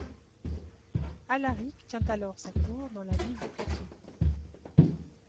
Alaric tient alors sa cour dans la ville de Poitiers.